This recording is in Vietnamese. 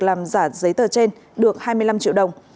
làm giả giấy tờ trên được hai mươi năm triệu đồng